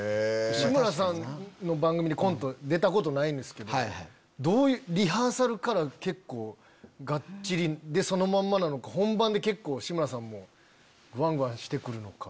志村さんの番組でコント出たことないんですけどリハーサルから結構ガッチリでそのままなのか本番で結構志村さんもグワングワンして来るのか。